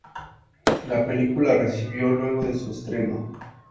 La película recibió, luego de su estreno.